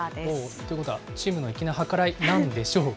ということは、チームの粋な計らいなんでしょうか。